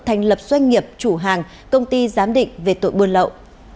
thành lập doanh nghiệp chủ hàng công ty giám định về tội buôn lậu